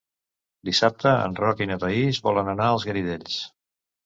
Dissabte en Roc i na Thaís volen anar als Garidells.